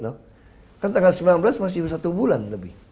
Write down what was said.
di tanggal sembilan belas masih masih satu bulan